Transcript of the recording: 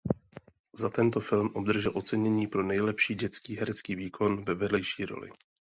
Za tento film obdržel ocenění pro nejlepší dětský herecký výkon ve vedlejší roli.